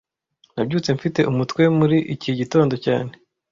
Nabyutse mfite umutwe muri iki gitondo cyane